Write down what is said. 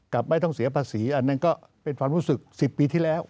ไม่ต้องเสียภาษีอันนั้นก็เป็นความรู้สึก๑๐ปีที่แล้ว